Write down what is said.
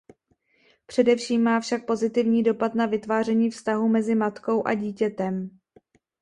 Především má však pozitivní dopad na vytváření vztahu mezi matkou a dítětem.